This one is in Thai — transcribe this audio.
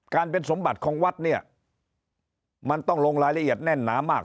เป็นสมบัติของวัดเนี่ยมันต้องลงรายละเอียดแน่นหนามาก